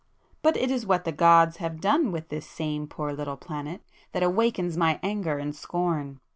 But it is what the gods have done with this same poor little planet, that awakens my anger and scorn.